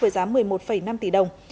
với giá một mươi một năm tỷ đồng